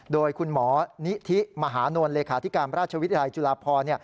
โดยคุณหมอนิธิมหานวลเลขาธิการราชวิทยาลัยจุฬาพร